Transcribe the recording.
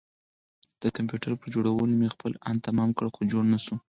د کمپيوټر پر جوړولو مې خپل ان تمام کړ خو جوړ نه شو.